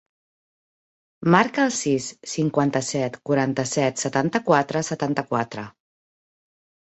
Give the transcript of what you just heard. Marca el sis, cinquanta-set, quaranta-set, setanta-quatre, setanta-quatre.